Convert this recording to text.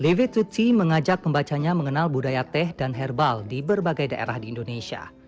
david tuti mengajak pembacanya mengenal budaya teh dan herbal di berbagai daerah di indonesia